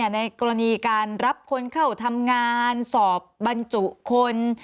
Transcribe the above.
ในกรณีการรับคนเข้าทำงานสอบบรรจุคน